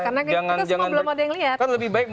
karena kita semua belum ada yang lihat